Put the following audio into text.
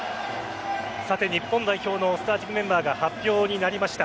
日本代表のスターティングメンバーが発表になりました。